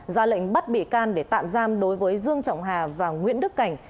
ra lệnh bắt bị can để tạm giam đối với dương trọng hà và nguyễn đức cảnh